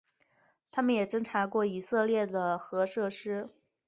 它们也侦察过以色列的核设施。